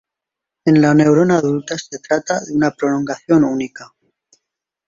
En la neurona adulta se trata de una prolongación única.